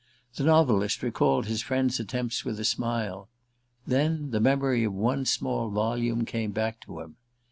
The novelist recalled his friend's attempts with a smile; then the memory of one small volume came back to him.